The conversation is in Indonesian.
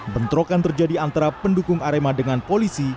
bentrokan terjadi antara pendukung arema dengan polisi